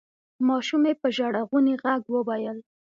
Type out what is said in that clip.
ماشومې په ژړغوني غږ وویل: